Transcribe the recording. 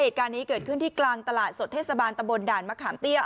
เหตุการณ์นี้เกิดขึ้นที่กลางตลาดสดเทศบาลตะบนด่านมะขามเตี้ย